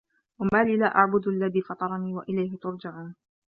وَما لِيَ لا أَعبُدُ الَّذي فَطَرَني وَإِلَيهِ تُرجَعونَ